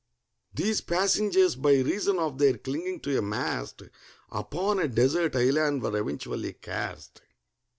These passengers, by reason of their clinging to a mast, Upon a desert island were eventually cast.